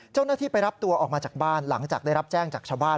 เจ้าหน้าที่ไปรับตัวออกมาจากบ้านหลังจากได้รับแจ้งจากชาวบ้าน